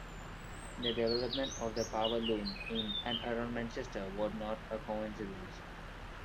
The development of the power loom in and around Manchester was not a coincidence.